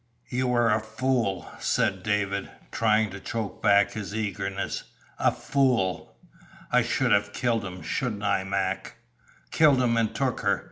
"You were a fool," said David, trying to choke back his eagerness. "A fool!" "I should have killed him, shouldn't I, Mac killed him an' took her?"